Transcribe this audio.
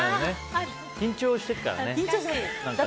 緊張してるからね。